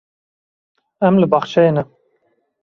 Em li bexçeyê ne.